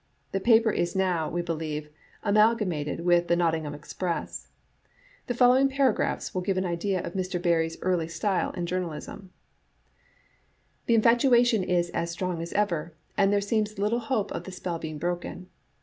The paper is now, we believe, amalgamated with the Nottingham Express, The following paragraphs will give an idea of Mr. Barrie's early style in journalism: " The infatuation is as strong as ever, and there seems little hope of the spell being broken.